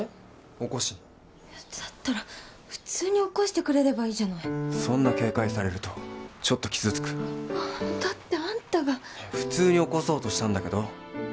起こしにだったら普通に起こしてくれればいいじゃないそんな警戒されるとちょっと傷つくだってあんたが普通に起こそうとしたんだけどけど？